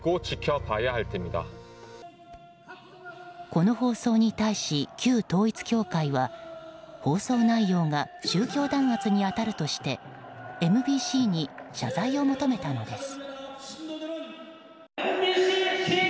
この放送に対し、旧統一教会は放送内容が宗教弾圧に当たるとしてＭＢＣに謝罪を求めたのです。